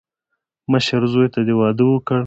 مشر زوی ته دې واده وکړه.